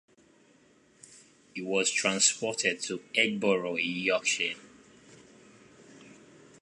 It was transported to Eggborough in Yorkshire.